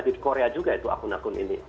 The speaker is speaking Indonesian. di korea juga itu akun akun ini